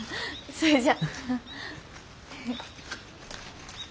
それじゃ。